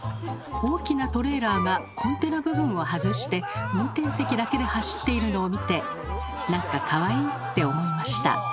大きなトレーラーがコンテナ部分を外して運転席だけで走っているのを見てなんかカワイイって思いました。